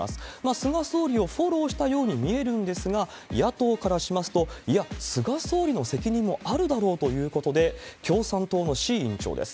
菅総理をフォローしたように見えるんですが、野党からしますと、いや、菅総理の責任もあるだろうということで、共産党の志位委員長です。